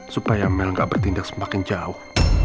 supaya mel gak bertindak semakin jauh